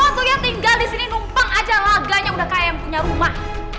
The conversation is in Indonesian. oh tuh yang tinggal disini numpeng aja laganya udah kaya yang punya rumah